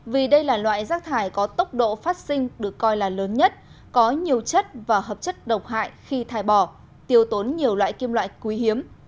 vì đây là loại rác thải có tốc độ phát sinh được coi là lớn nhất có nhiều chất và hợp chất độc hại khi thải bỏ tiêu tốn nhiều loại kim loại quý hiếm